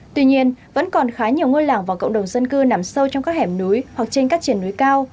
tuy nhiên vẫn còn khá nhiều ngôi làng và cộng đồng dân cư nằm sâu trong các hẻm núi hoặc trên các triển núi cao